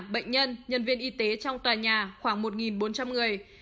bệnh nhân nhân viên y tế trong tòa nhà khoảng một bốn trăm linh người